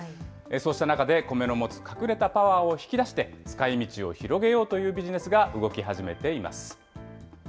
そうした中でコメの持つ隠れたパワーを引き出して、使いみちを広げようというビジネスが動き始めています。